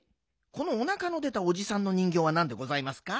このおなかの出たおじさんの人ぎょうはなんでございますか？